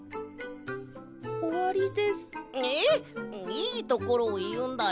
いいところをいうんだよ。